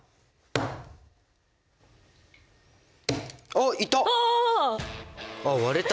あっいった。